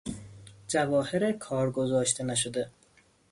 جواهر کار گذاشته نشده